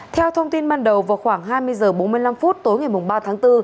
theo thông tin ban đầu vào khoảng hai mươi h bốn mươi năm tối ngày ba tháng bốn